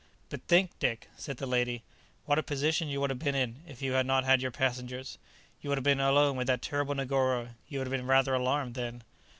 "But think, Dick," said the lady, "what a position you would have been in, if you had not had your passengers. You would have been alone with that terrible Negoro; you would have been rather alarmed then."